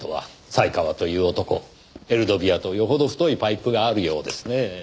犀川という男エルドビアとよほど太いパイプがあるようですねぇ。